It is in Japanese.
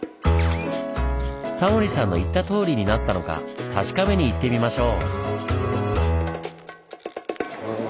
タモリさんの言ったとおりになったのか確かめに行ってみましょう！